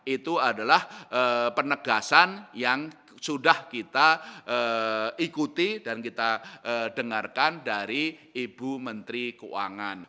itu adalah penegasan yang sudah kita ikuti dan kita dengarkan dari ibu menteri keuangan